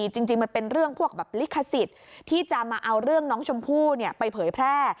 จริงมันเป็นเรื่องพวกลิขสิทธิ์ที่จะมาเอาเรื่องน้องชมพู่ไปเผยแพร่